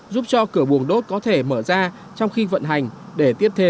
giúp cho cửa buồng đốt có thể mở ra trong khi vận hành